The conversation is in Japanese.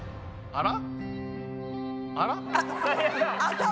あら？